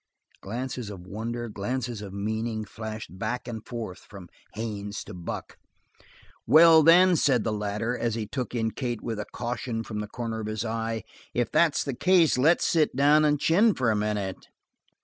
Glances of wonder, glances of meaning, flashed back and forth from Haines to Buck. "Well, then," said the latter, and he took in Kate with a caution from the corner of his eye, "if that's the case, let's sit down and chin for a minute."